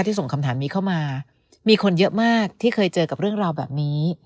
ส่งคำถามนี้เข้ามามีคนเยอะมากที่เคยเจอกับเรื่องราวแบบนี้